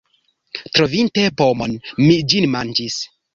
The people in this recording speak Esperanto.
Trovinte pomon, mi ĝin manĝis.